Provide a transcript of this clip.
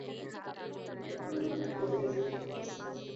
অগ্নিদগ্ধরা হলেন গৃহবধূ মোর্জিনা বেগম, তাঁর স্বামী আসাদ আলী এবং বিলকিস বেগম।